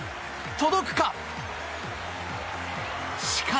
届くか！